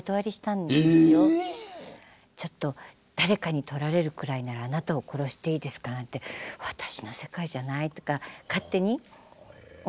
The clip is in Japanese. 「誰かに盗られるくらいならあなたを殺していいですか」なんて私の世界じゃないとか勝手に思ってたんですけども。